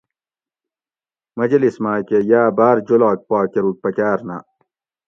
مجلس ماکہ یا بار جولاگ پا کۤروگ پکار نہ